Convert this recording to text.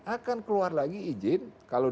akan keluar lagi izin kalau